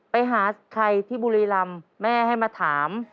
ไปหาใครที่บุรีรำแม่ให้มาถาม